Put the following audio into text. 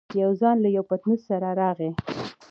يو ځوان له يوه پتنوس سره راغی.